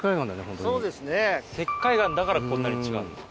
石灰岩だからこんなに違うんですか。